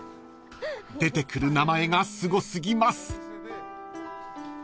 ［出てくる名前がすご過ぎます］